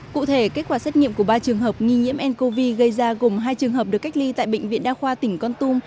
cụ thể kết quả xét nghiệm của ba trường hợp nghi nhiễm ncov gây ra gồm hai trường hợp được cách ly tại bệnh viện đa khoa tỉnh con tum